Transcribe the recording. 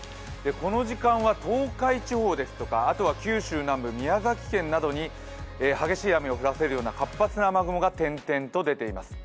この時間は東海地方ですとか九州南部、宮崎県などに激しい雨を降らせるような活発な雨雲が点々と出ています。